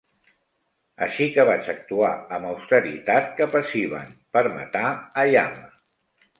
Així que vaig actuar amb austeritat cap a Sivan per matar a Yama.